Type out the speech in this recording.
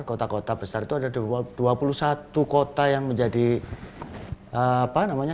kota kota besar itu ada dua puluh satu kota yang menjadi apa namanya